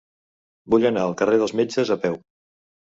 Vull anar al carrer dels Metges a peu.